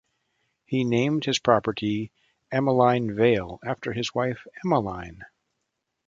He named his property "Emmeline Vale," after his wife Emmeline.